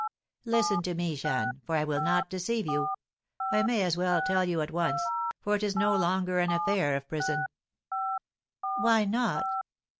"Listen to me, Jeanne, for I will not deceive you. I may as well tell you at once; for it is no longer an affair of prison." "Why not?"